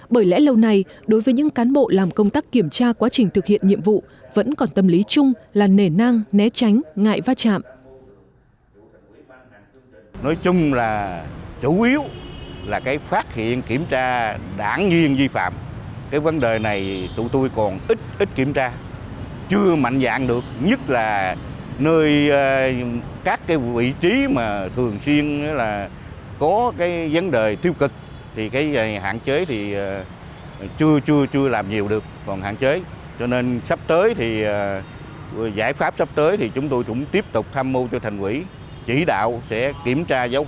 bởi lẽ lâu này đối với những cán bộ làm công tác kiểm tra quá trình thực hiện nhiệm vụ vẫn còn tâm lý chung là nể nang né tránh ngại va chạm